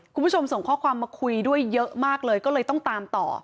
คุณผู้ชมส่งข้อความมาคุยด้วยเยอะมากเลยก็เลยต้องตามต่อ